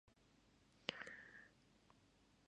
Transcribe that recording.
文章を沢山寄付してるのに読ませてくれない。